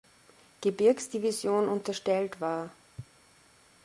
Gebirgsdivision unterstellt war.